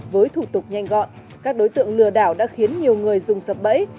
với thủ tục nhanh gọn các đối tượng lừa đảo đã khiến nhiều người dùng sập bẫy